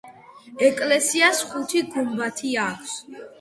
ეკლესიას ხუთი გუმბათი აქვს.